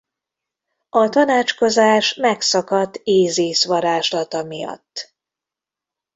A tanácskozás megszakadt Ízisz varázslata miatt.